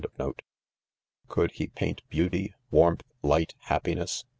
f Could he paint beauty, warmth, light, happiness?